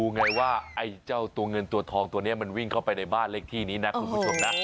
ไงว่าไอ้เจ้าตัวเงินตัวทองตัวนี้มันวิ่งเข้าไปในบ้านเลขที่นี้นะคุณผู้ชมนะ